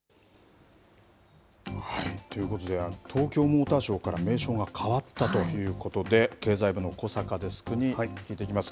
ということで、東京モーターショーから名称が変わったということで、経済部の小坂デスクに聞いていきます。